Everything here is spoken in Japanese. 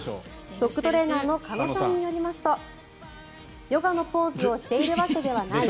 ドッグトレーナーの鹿野さんによりますとヨガのポーズをしているわけではない。